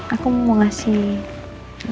aku mau ngasih